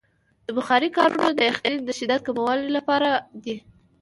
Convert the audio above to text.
د بخارۍ کارونه د یخنۍ د شدت کمولو لپاره دی.